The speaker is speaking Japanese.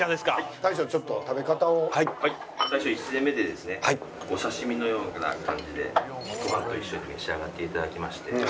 最初１膳目でですねお刺身のような感じでご飯と一緒に召し上がって頂きまして。